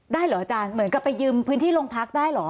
เหรออาจารย์เหมือนกับไปยืมพื้นที่โรงพักได้เหรอ